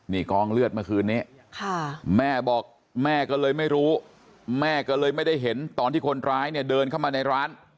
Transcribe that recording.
นี่กองเลือดเมื่อคืนนี้แม่บอกแม่ก็เลยไม่รู้แม่ก็เลยไม่ได้เห็นตอนที่คนร้ายเนี่ยเดินเข้ามาในร้าน